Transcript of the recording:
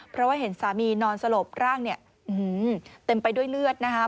เพราะว่าเห็นสามีนอนสลบร่างเนี่ยเต็มไปด้วยเลือดนะคะ